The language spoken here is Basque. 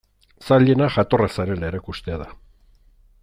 Zailena jatorra zarela erakustea da.